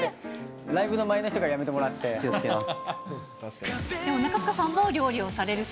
ライブの前の日とかやめても気をつけます。